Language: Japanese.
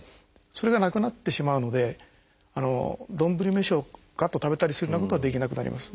それがなくなってしまうので丼飯をがっと食べたりするようなことはできなくなります。